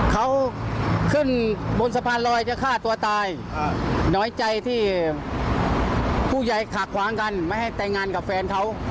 เขาขึ้นบนสะพานลอยจะฆ่าตัวตายน้อยใจที่ผู้ใหญ่ขาดขวางกันไม่ให้แต่งงานกับแฟนเขา